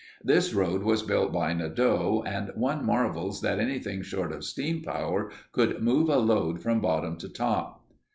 This road was built by Nadeau and one marvels that anything short of steam power could move a load from bottom to top.